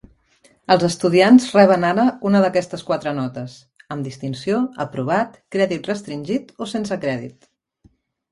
Els estudiants reben ara una d'aquestes quatre notes: amb distinció, aprovat, crèdit restringit o sense crèdit.